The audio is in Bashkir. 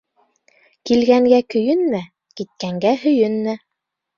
Килгәнгә көйөнмә, киткәнгә һөйөнмә.